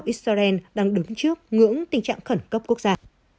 israel đang đứng trước ngưỡng tình trạng khẩn cấp quốc gia